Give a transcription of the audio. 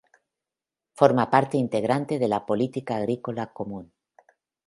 Forma parte integrante de la política agrícola común.